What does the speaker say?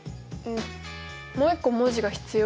もう１個文字が必要？